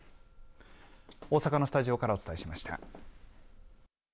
大阪のスタジオからお伝えしました。